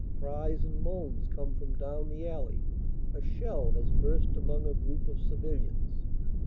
Cries and moans come from down the alley. A shell has burst among a group of civilians.